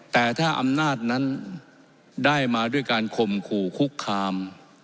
แต่ถ้าอำนาจนั้นได้มาด้วยการข่มขู่คุกคาม